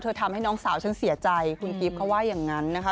ทำให้น้องสาวฉันเสียใจคุณกิฟต์เขาว่าอย่างนั้นนะคะ